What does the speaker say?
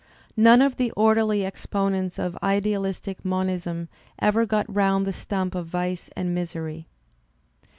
None of the orderly exponents of idealistic monism ever got round the stump of vice and misery.